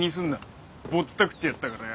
ぼったくってやったからよ。